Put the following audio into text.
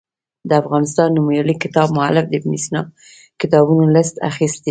د افغانستان نومیالي کتاب مولف د ابن سینا کتابونو لست راخیستی.